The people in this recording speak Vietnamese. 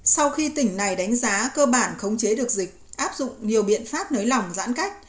sau khi tỉnh này đánh giá cơ bản khống chế được dịch áp dụng nhiều biện pháp nới lỏng giãn cách